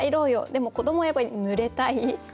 でも子どもはやっぱりぬれたい。